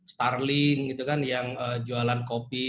starling gitu kan yang jualan kopi